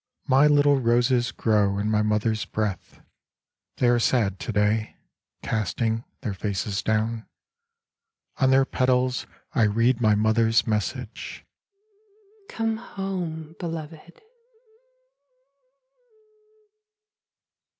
My little roses grow in my Mother's breath, They are sad to day, Casting their faces down ; On their petals I read my Mother's message :'* Come home. Beloved